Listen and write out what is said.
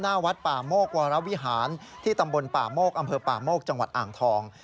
หน้าวัดป่าโมกวรวิหารที่ตำบลป่าโมกอำเภอป่าโมกจังหวัดอ่างทอง